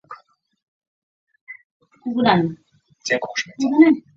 白毛子楝树为桃金娘科子楝树属下的一个种。